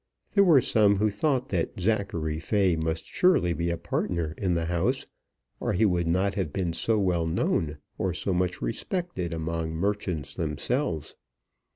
There were some who thought that Zachary Fay must surely be a partner in the house, or he would not have been so well known or so much respected among merchants themselves.